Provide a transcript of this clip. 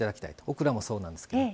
オクラもそうなんですけど。